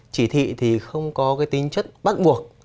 chỉ thị thì không có cái tính chất bắt buộc